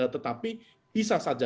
tetapi bisa saja